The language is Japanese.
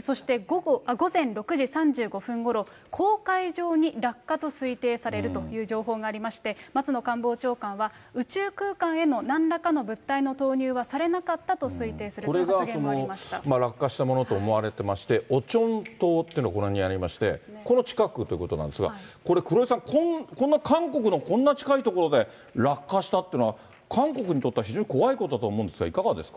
そして午前６時３５分ごろ、黄海上に落下と推定されるという情報がありまして、松野官房長官は、宇宙空間へのなんらかの物体の投入はされなかったと推定すると発これが落下したものと思われてまして、オチョン島っていうのがこの辺にありまして、この近くということなんですが、これ、黒井さん、こんな韓国の近い所で落下したっていうのは、韓国にとっては非常に怖いことだと思うんですが、いかがですか？